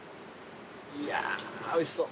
いやあおいしそう。